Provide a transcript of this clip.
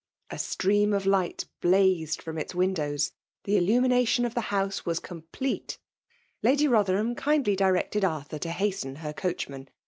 A stream ci light bh^tod from its windows. The iUuminatioh of ibib house was complete ! Lady B^thetham kindly directed Arthur to hasten her coachman.